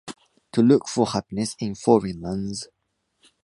To look for happiness in foreign lands.